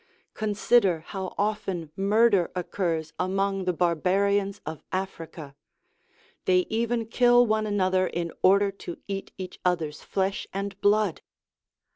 Consider how often murder occurs among the barbarians of Africa; they even kill one another in order to eat each other's flesh and blood